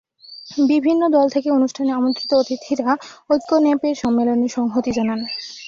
বিভিন্ন দল থেকে অনুষ্ঠানে আমন্ত্রিত অতিথিরা ঐক্য ন্যাপের সম্মেলনে সংহতি জানান।